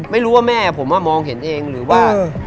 ไม่รู้ว่าแม่ผมมองเห็นเองหรือว่า